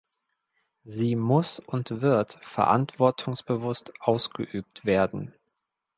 Sie muss und wird verantwortungsbewusst ausgeübt werden.